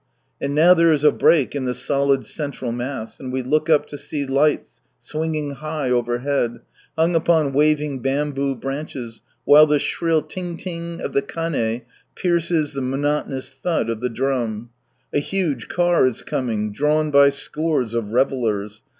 And now there is a break in the solid central mass, and we look up to see lights swinging high overhead, hung upon waving bamboo branches, while the shrill ting ting of the Kan^ pierces the monotonous thud of the drum. A huge car is coming, drawn by scores of revellers.